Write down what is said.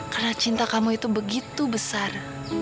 karena cinta kamu itu begitu besar